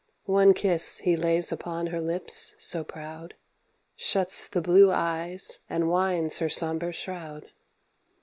One kiss he lays upon her lips so proud, Shuts the blue eyes and winds her sombre shroud.